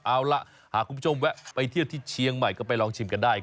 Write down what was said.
เอาล่ะหากคุณผู้ชมแวะไปเที่ยวที่เชียงใหม่ก็ไปลองชิมกันได้